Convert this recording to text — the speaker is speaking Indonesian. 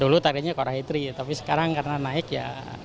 dulu targetnya core i tiga tapi sekarang karena naik ya